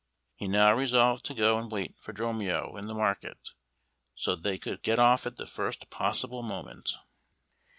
He now resolved to go and wait for Dromio in the market, so that they could get off at the first possible moment.